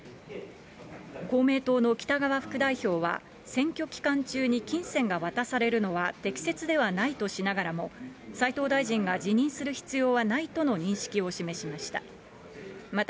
公明党の北側副代表は、選挙期間中に金銭が渡されるのは適切ではないとしながらも、斉藤大臣が辞任する必要はないとの認識を示しました。